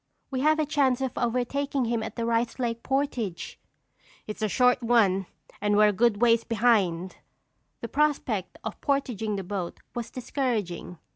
"We have a chance of overtaking him at the Rice Lake portage." "It's a short one and we're a good ways behind." The prospect of portaging the boat was discouraging.